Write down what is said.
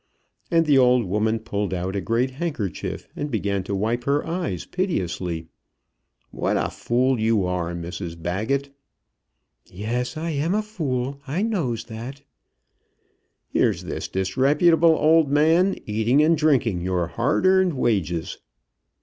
And the old woman pulled out a great handkerchief, and began to wipe her eyes piteously. "What a fool you are, Mrs Baggett." "Yes; I am a fool. I knows that." "Here's this disreputable old man eating and drinking your hard earned wages."